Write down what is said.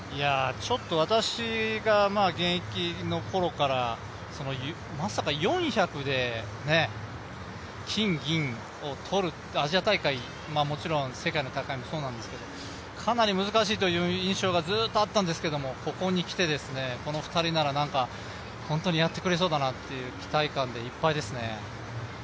ちょっと私が現役のころから、まさか４００で金銀を取る、アジア大会、もちろん世界の大会もそうなんですけど、かなり難しいという印象がずっとあったんですけれども、ここにきてこの２人なら本当にやってくれそうだなという期待感でいっぱいですね。